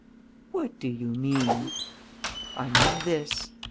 "What do you mean?" "I mean this.